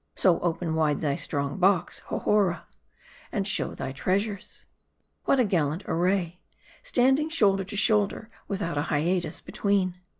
So open, wide thy strong box, Hohora, and s,how thy treasures. What a gal lant array ! standing shoulder to shoulder, without hiatus between.